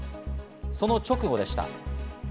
その直後でした。